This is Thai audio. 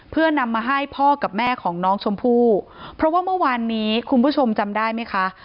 เพื่อนำมาให้พ่อกับแม่ของน้องชมพู่เพราะว่าเมื่อวานนี้คุณผู้ชมจำได้ไหมคะ